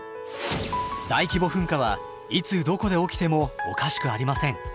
大規模噴火はいつどこで起きてもおかしくありません。